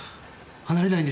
離れないんです。